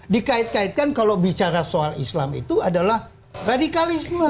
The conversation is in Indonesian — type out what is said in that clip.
dikait kaitkan kalau bicara soal islam itu adalah radikalisme